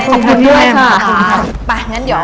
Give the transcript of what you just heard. ขอบคุณพี่เมย์ค่ะ